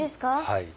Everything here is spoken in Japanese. はい。